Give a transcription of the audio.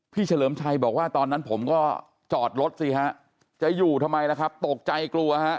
เฉลิมชัยบอกว่าตอนนั้นผมก็จอดรถสิฮะจะอยู่ทำไมล่ะครับตกใจกลัวฮะ